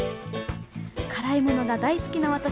辛いものが大好きな私。